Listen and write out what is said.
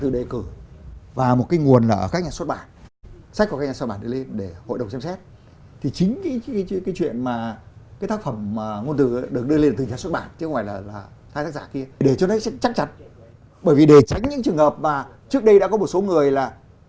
để cho nó chắc chắn bởi vì để tránh những trường hợp mà trước đây đã có một số người là